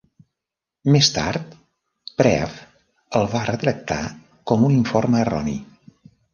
Més tard, Prexv el va retractar com un informe erroni.